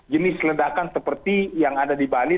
jenis ledakan seperti yang ada di bali